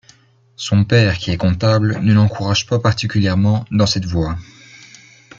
Son père qui est comptable ne l'encourage pas particulièrement dans cette voie.